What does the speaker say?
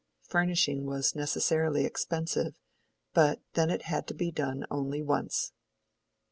Furnishing was necessarily expensive; but then it had to be done only once.